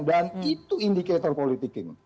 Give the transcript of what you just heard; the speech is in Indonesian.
dan itu indikator politik ini